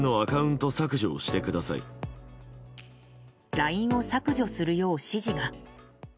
ＬＩＮＥを削除するよう指示が。